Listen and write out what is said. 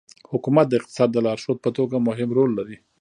حکومت د اقتصاد د لارښود په توګه مهم رول لري.